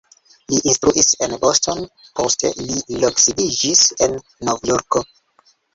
Li instruis en Boston, poste li loksidiĝis en Novjorko.